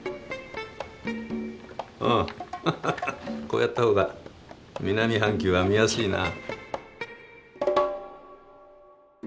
こうやった方が南半球は見やすいな。